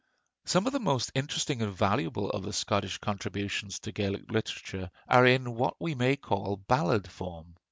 Some of the most interesting and valuable of the Scottish contributions to Gaelic literature are in what we may call ballad form.